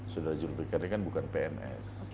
sudara zulfiqar bukan pns